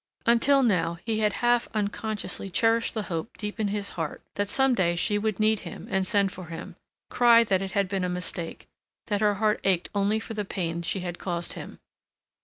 Until now he had half unconsciously cherished the hope deep in his heart that some day she would need him and send for him, cry that it had been a mistake, that her heart ached only for the pain she had caused him.